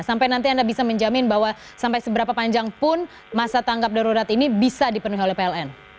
sampai nanti anda bisa menjamin bahwa sampai seberapa panjang pun masa tanggap darurat ini bisa dipenuhi oleh pln